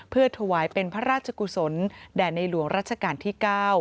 เพื่อถวายเป็นพระราชกุศลแด่ในหลวงรัชกาลที่๙